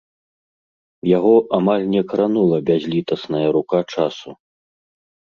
Яго амаль не кранула бязлітасная рука часу.